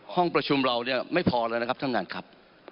ห้องประชุมเราเนี่ยไม่พอแล้วนะครับท่านท่านครับ